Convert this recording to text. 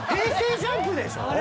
ＪＵＭＰでしょ？